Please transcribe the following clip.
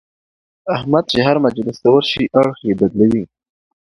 احمد چې هر مجلس ته ورشي اړخ یې بدلوي.